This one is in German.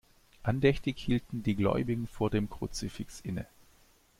Andächtig hielten die Gläubigen vor dem Kruzifix inne.